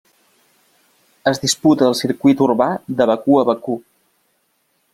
Es disputa al Circuit urbà de Bakú a Bakú.